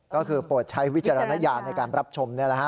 ก็คือโปรดใช้วิจารณญาณในการรับชมนี่แหละฮะ